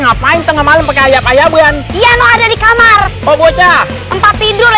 ngapain tengah malam pakai ayam ayam yang iya ada di kamar obocha tempat tidur